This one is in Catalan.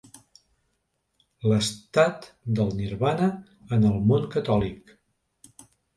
L'estat del nirvana en el món catòlic.